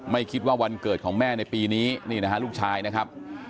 ไม่คิดว่าวันเกิดของแม่ในปีนี้นี่นะฮะลูกชายนะครับ